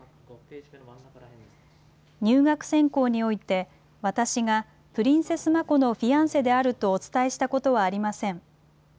入学選考において、私が、プリンセス眞子のフィアンセであるとお伝えしたことはありません。